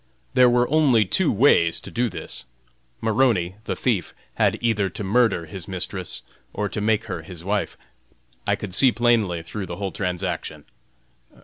There were only two ways to do this. Maroney, the thief, had either to murder his mistress, or to make her his wife. I could see plainly through the whole transaction.